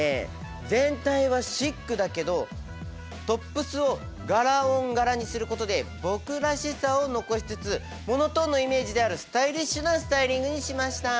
全体はシックだけどトップスを柄ｏｎ柄にすることで僕らしさを残しつつモノトーンのイメージであるスタイリッシュなスタイリングにしました。